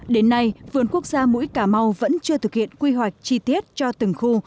đến nay vườn quốc gia mũi cà mau vẫn chưa thực hiện quy hoạch chi tiết cho từng khu